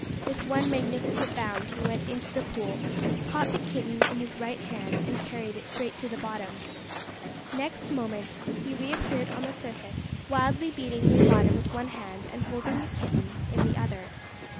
With one magnificent bound he went into the pool, caught the kitten in his right hand, and carried it straight to the bottom. Next moment he re appeared on the surface, wildly beating the water with one hand and holding the kitten aloft in the other.